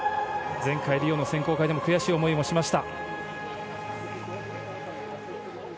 前回、リオの選考会でも悔しい思いをしました。